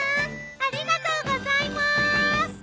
ありがとうございます。